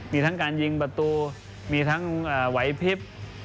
มีทั้งการยิงประตูมีทั้งไหวพลิบ